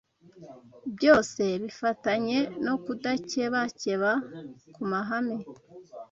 byose bifatanye no kudakebakeba ku mahame